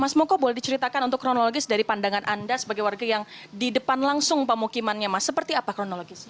mas moko boleh diceritakan untuk kronologis dari pandangan anda sebagai warga yang di depan langsung pemukimannya mas seperti apa kronologisnya